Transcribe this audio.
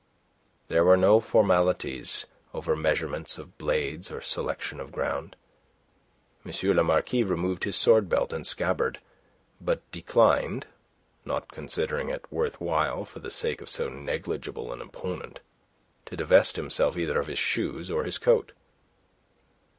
There were no formalities over measurements of blades or selection of ground. M. le Marquis removed his sword belt and scabbard, but declined not considering it worth while for the sake of so negligible an opponent to divest himself either of his shoes or his coat.